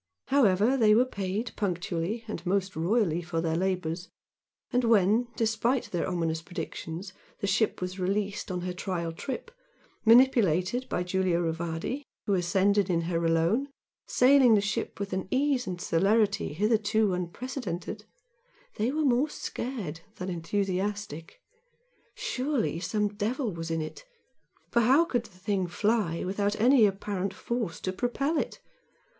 However, they were paid punctually and most royally for their labours; and when, despite their ominous predictions, the ship was released on her trial trip, manipulated by Giulio Rivardi, who ascended in her alone, sailing the ship with an ease and celerity hitherto unprecedented, they were more scared than enthusiastic. Surely some devil was in it! for how could the thing fly without any apparent force to propel it?